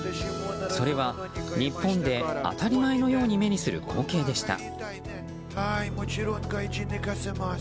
それは日本で当たり前のように目にする光景でした。